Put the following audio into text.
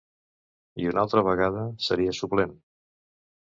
I una altra vegada, seria suplent.